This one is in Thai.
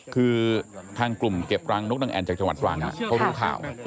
คือทางกลุ่มเก็บรังนกนางแอ่นจากจังหวัดตรังเขารู้ข่าว